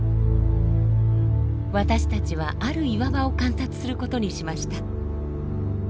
私たちはある岩場を観察することにしました。